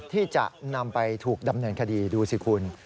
ที่จะนำไปถูกดำเนินคดีดูสิคุณ